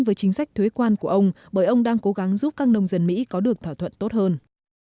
với chính sách thuế quan của ông bởi ông đang cố gắng giúp các nông dân mỹ có được thỏa thuận tốt hơn